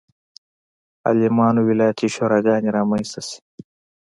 عالمانو ولایتي شوراګانې رامنځته شي.